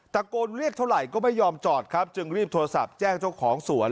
ตะโกนเรียกเท่าไหร่ก็ไม่ยอมจอดครับจึงรีบโทรศัพท์แจ้งเจ้าของสวน